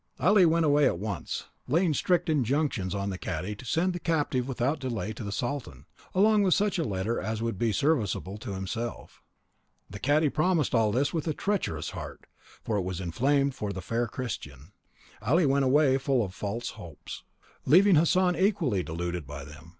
Ali went away at once, laying strict injunctions on the cadi to send the captive without delay to the sultan, along with such a letter as would be serviceable to himself. The cadi promised all this with a treacherous heart, for it was inflamed for the fair Christian. Ali went away full of false hopes, leaving Hassan equally deluded by them.